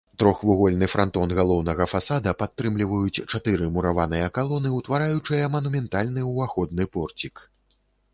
Трохвугольны франтон галоўнага фасада падтрымліваюць чатыры мураваныя калоны, утвараючыя манументальны ўваходны порцік.